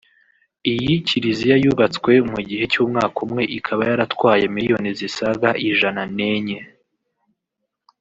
Iyi Kiliziya yubatswe mu gihe cy’umwaka umwe ikaba yaratwaye miliyoni zisaga ijana n’enye